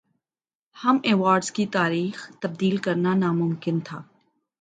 ہم ایوارڈز کی تاریخ تبدیل کرنا ناممکن تھا